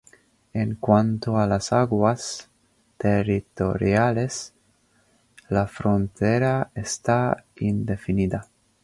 En cuanto a las aguas territoriales, la frontera está indefinida.